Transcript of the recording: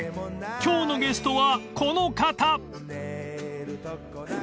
［今日のゲストはこの方］